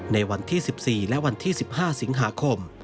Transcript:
ในวันที่๑๔และวันที่๑๕สิงหาคม